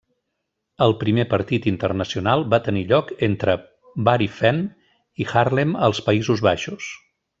El primer partit internacional va tenir lloc entre Bury Fen i Haarlem als Països Baixos.